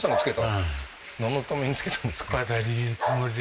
はい何のために付けたんですか？